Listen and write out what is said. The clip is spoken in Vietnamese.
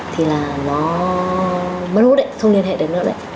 thì là nó mất hút đấy